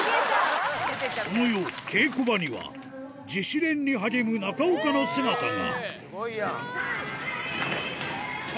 その夜稽古場には自主練に励む中岡の姿が